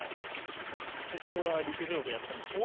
高校は陸上部やってました。